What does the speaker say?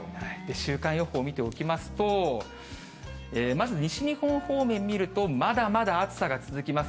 週間予報見ておきますと、まず西日本方面見ると、まだまだ暑さが続きます。